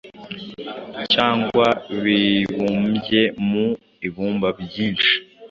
cyangwa bibumbye mu ibumba byinshi.